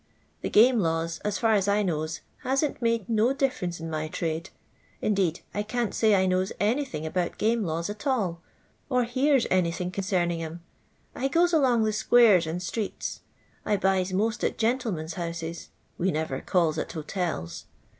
The game laws, as far as I knows, hasn't made no difTervnco in my trade. Indeed, I can't say I knows anything about game laws at all, or hears anything consiirning 'om. I gous along the squares and streets. I buys most aft gentlemen's houses. We never calls at hotels.